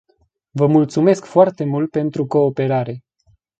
Vă mulțumesc foarte mult pentru cooperare.